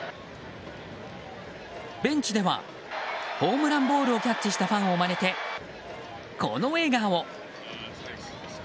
ベンチでは、ホームランボールをキャッチしたファンをまねてこの笑顔。